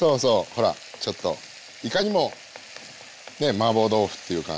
ほらちょっといかにもねマーボー豆腐っていう感じの。